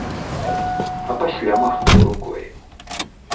А пасля махнуў рукой.